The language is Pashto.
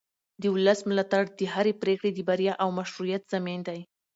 د ولس ملاتړ د هرې پرېکړې د بریا او مشروعیت ضامن دی